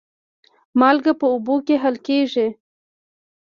مالګه په اوبو کې حل کېږي.